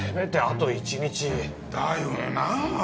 だよなぁ。